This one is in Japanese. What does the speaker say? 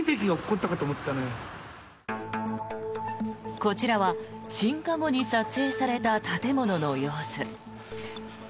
こちらは鎮火後に撮影された建物の様子。